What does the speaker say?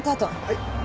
はい。